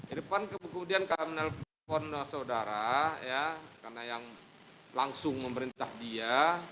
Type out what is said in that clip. irfan kemudian kalau menelpon saudara karena yang langsung memerintah dia